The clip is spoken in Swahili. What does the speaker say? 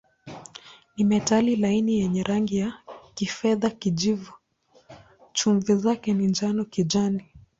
Ni metali laini yenye rangi ya kifedha-kijivu, chumvi zake ni njano-kijani.